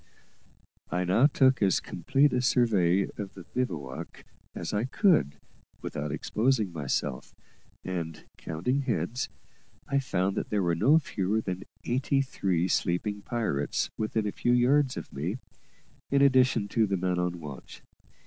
I now took as complete a survey of the bivouac as I could without exposing myself, and, counting heads, I found that there were no fewer than eighty three sleeping pirates within a few yards of me, in addition to the man on watch.